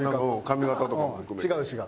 髪形とかも含めて。